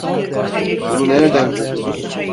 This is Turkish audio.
Bunu nereden buldunuz?